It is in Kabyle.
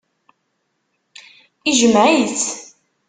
Ijmeɛ-itt.